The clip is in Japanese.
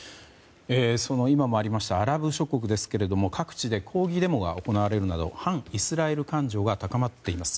今もありましたアラブ諸国ですけれども各地で抗議デモが行われるなど反イスラエル感情が高まっています。